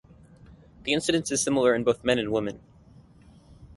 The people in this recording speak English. The incidence is similar in both men and women.